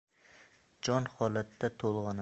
Jonholatda to‘lg‘anaman.